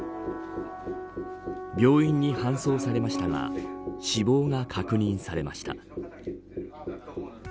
病院に搬送されましたが死亡が確認されました。